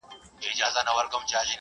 ارمان کاکا د ستړیا له امله ساه نیولی و.